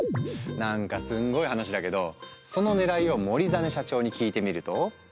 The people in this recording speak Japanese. なんかすんごい話だけどそのねらいを森實社長に聞いてみると。